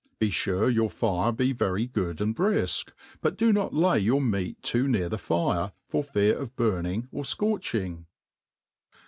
Be fure your fire be very good and brifk $ but do not lay your meat too near the fire, for ftar of burning or fcorcbing.